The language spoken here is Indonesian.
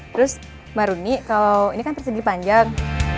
terus maruni kalau ini kan persegi panjang